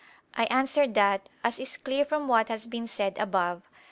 I answer that, As is clear from what has been said above (Q.